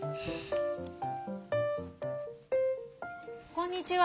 こんにちは。